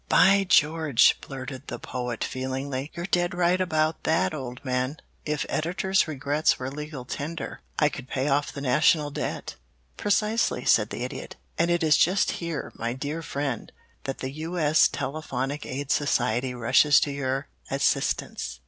"By George," blurted the Poet feelingly, "you're dead right about that, old man. If editors' regrets were legal tender, I could pay off the national debt." "Precisely," said the Idiot. "And it is just here, my dear friend, that the U. S. Telephonic Aid Society rushes to your assistance.